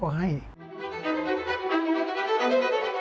พระเจ้าหยุดลูกท่านพระเจ้าหยุดลูกท่าน